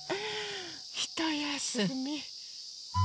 ひとやすみ。